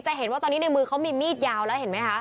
เห็นว่าตอนนี้ในมือเขามีมีดยาวแล้วเห็นไหมคะ